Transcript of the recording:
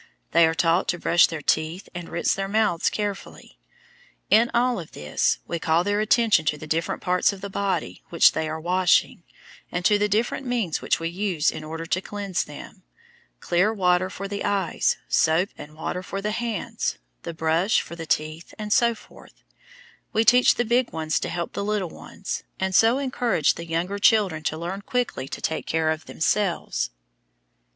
They are taught to brush their teeth and rinse their mouths carefully. In all of this, we call their attention to the different parts of the body which they are washing, and to the different means which we use in order to cleanse them: clear water for the eyes, soap and water for the hands, the brush for the teeth, etc. We teach the big ones to help the little ones, and, so, encourage the younger children to learn quickly to take care of themselves.